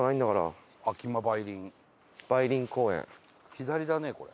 左だねこれ。